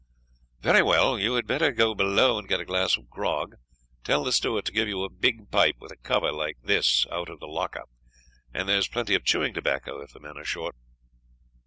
"Very well; you had better go below and get a glass of grog; tell the steward to give you a big pipe with a cover like this, out of the locker; and there's plenty of chewing tobacco, if the men are short."